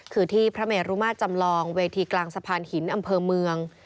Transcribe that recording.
คือที่พระเมรุมาตรจำลองเวทีกลางสะพานหินอำเภอเมือง